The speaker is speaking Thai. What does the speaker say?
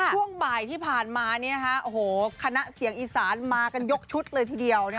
ช่วงบ่ายที่ผ่านมาโอ้โหคณะเสียงอีสานมากันยกชุดเลยทีเดียว